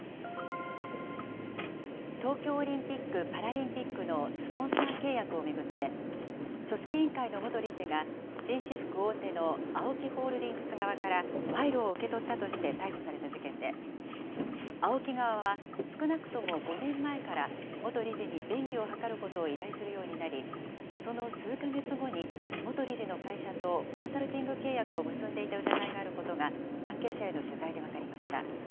東京オリンピック・パラリンピックのスポンサー契約を巡って、組織委員会の元理事が、紳士服大手のＡＯＫＩホールディングス側から賄賂を受け取ったとして逮捕された事件で、ＡＯＫＩ側は、少なくとも５年前から、元理事に便宜を図ることを依頼するようになり、その数か月後に、元理事の会社とコンサルティング契約を結んでいた疑いがあることが、関係者への取材で分かりました。